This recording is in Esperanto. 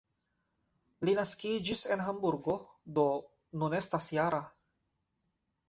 Li naskiĝis en Hamburgo, do nun estas -jara.